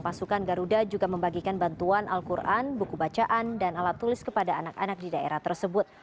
pasukan garuda juga membagikan bantuan al quran buku bacaan dan alat tulis kepada anak anak di daerah tersebut